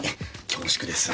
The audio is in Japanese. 恐縮です。